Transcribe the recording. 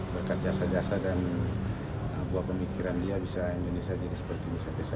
berkat jasa jasa dan buah pemikiran dia bisa indonesia jadi seperti biasa bisa